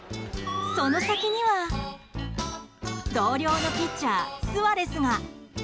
その先には、同僚のピッチャースアレスが。